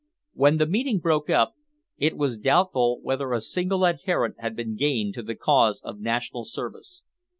When the meeting broke up, it was doubtful whether a single adherent had been gained to the cause of National Service.